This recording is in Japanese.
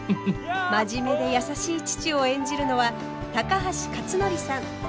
真面目で優しい父を演じるのは高橋克典さん。